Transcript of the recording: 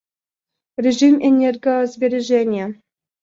Режим энергосбережения